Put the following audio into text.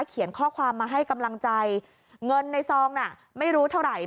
เขียนข้อความมาให้กำลังใจเงินในซองน่ะไม่รู้เท่าไหร่